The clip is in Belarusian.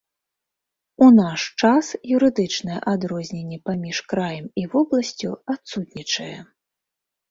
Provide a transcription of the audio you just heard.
У наш час юрыдычнае адрозненне паміж краем і вобласцю адсутнічае.